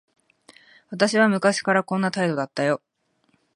私は昔からこんな態度だったよ。